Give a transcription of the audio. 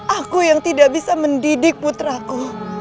aku yang tidak bisa mendidik putraku